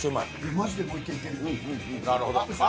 マジでもう１軒行けるよ。